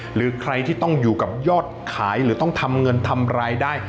หรือใครที่ต้องอยู่กับยอดขายหรือต้องทำเงินทำรายได้